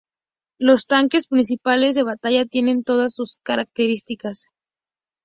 Los tanques principales de batalla tienen todas estas características.